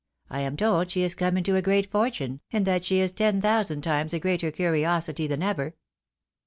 I am told she is THE DIGNITY OF DKESS. 323 come into a great fortune, and that she is ten thousand times a greater curiosity than ever."